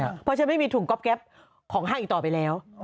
เพราะฉะนั้นไม่มีถุงก๊อบแก๊ปของห้างอีกต่อไปแล้ว